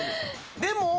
でも。